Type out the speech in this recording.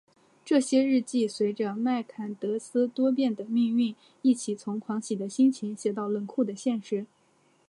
这些日记随着麦坎德斯多变的命运一起从狂喜的心情写到冷酷的现实。